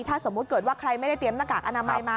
ถ้าสมมุติเกิดว่าใครไม่ได้เตรียมหน้ากากอนามัยมา